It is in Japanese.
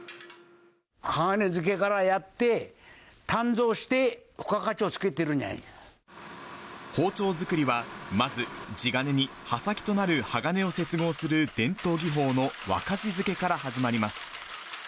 鋼付けからやって、鍛造して、包丁作りは、まず、地金に刃先となる鋼を接合する伝統技法の沸かし付けから始まります。